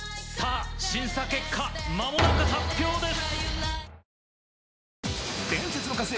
審査結果間もなく発表です。